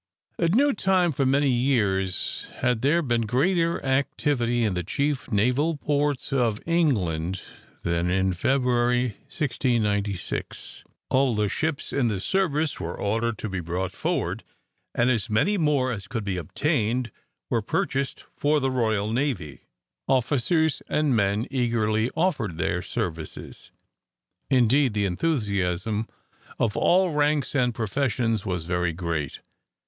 At no time for many years had there been greater activity in the chief naval ports of England than in February, 1696. All the ships in the service were ordered to be brought forward, and as many more as could be obtained were purchased for the Royal Navy. Officers and men eagerly offered their services; indeed the enthusiasm of all ranks and professions was very great.